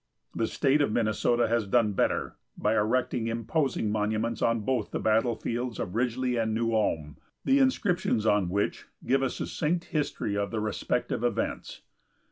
The State of Minnesota has done better, by erecting imposing monuments on both the battlefields of Ridgely and New Ulm, the inscriptions on which give a succinct history of the respective events.